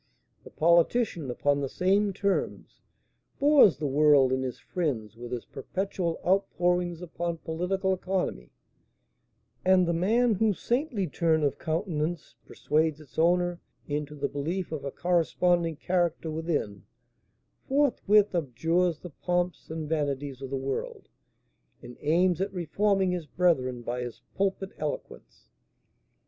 The politician, upon the same terms, bores the world and his friends with his perpetual outpourings upon political economy; and the man whose saintly turn of countenance persuades its owner into the belief of a corresponding character within, forthwith abjures the pomps and vanities of the world, and aims at reforming his brethren by his pulpit eloquence.